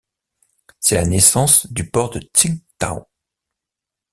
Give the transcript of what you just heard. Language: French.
C'est la naissance du port de Tsingtau.